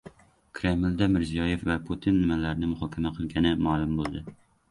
Kremlda Mirziyoyev va Putin nimalarni muhokama qilgani ma’lum bo‘ldi